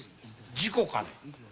事故かね？